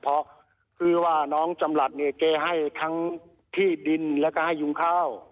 เพราะคือว่าน้องจำหลัดเนี่ยแกให้ทั้งที่ดินแล้วก็ให้ยุงข้าว